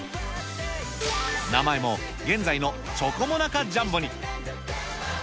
名前も現在のチョコモナカジャンボに。